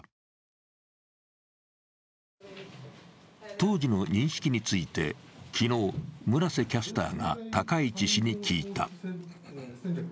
当時の認識について昨日、村瀬キャスターが高市氏に聞いた。